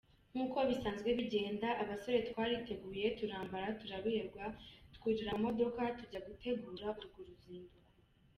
Nkuko bisanzwe bigenda abasore twariteguye turambara turaberwa twurira amamodoka tujya gutegura urwo ruzinduko.